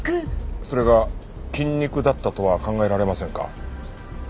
それが菌肉だったとは考えられませんか？